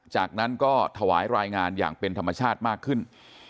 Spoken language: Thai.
จากนั้นก็ถวายรายงานอย่างเป็นธรรมชาติมากขึ้น